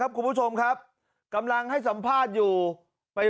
โน้ตอุดมจำได้